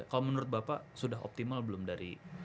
kalau menurut bapak sudah optimal belum dari